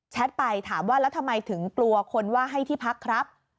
ไปถามว่าแล้วทำไมถึงกลัวคนว่าให้ที่พักครับ